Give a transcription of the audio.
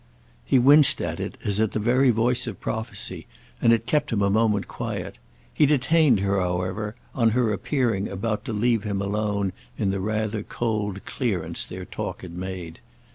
He winced at it as at the very voice of prophecy, and it kept him a moment quiet. He detained her, however, on her appearing about to leave him alone in the rather cold clearance their talk had made.